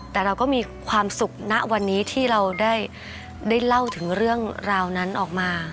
แต่เราก็มีความสุขณวันนี้ที่เราได้เล่าถึงเรื่องราวนั้นออกมา